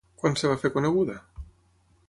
Quan es va fer coneguda?